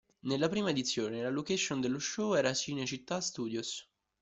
Nella prima edizione, la location dello show era Cinecittà Studios.